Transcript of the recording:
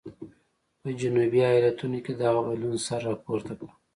په جنوبي ایالتونو کې دغه بدلون سر راپورته کړ.